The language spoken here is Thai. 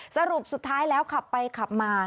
สรุปสุดท้ายแล้วขับไปขับมา